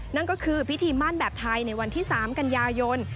นั่นก็คือพิธีมั่นแบบไทยในวันที่๓กันยายน